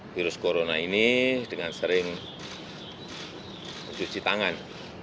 virus corona ini dengan sering mencuci tangan